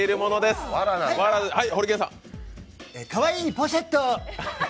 かわいいポシェット！